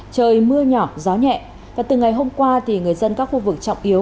trời mưa nhỏ gió nhẹ và từ ngày hôm qua thì người dân các khu vực trọng yếu